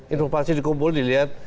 informasi dikumpul dilihat